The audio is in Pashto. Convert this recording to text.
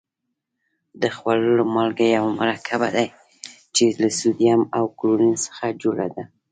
د خوړلو مالګه یو مرکب دی چې له سوډیم او کلورین څخه جوړه ده.